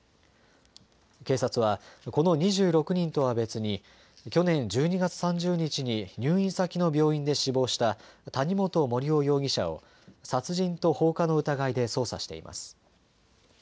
警察はこの２６人とは別に去年１２月３０日に入院先の病院で死亡した谷本盛雄容疑者を殺人と放火の疑いで捜査しています。